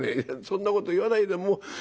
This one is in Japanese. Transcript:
「そんなこと言わないでもう。